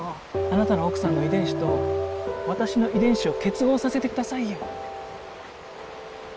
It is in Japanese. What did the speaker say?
あなたの奥さんの遺伝子と私の遺伝子を結合させてくださいよ。